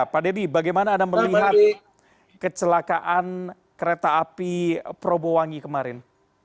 pak deddy bagaimana anda melihat kecelakaan kereta api probowangi kemarin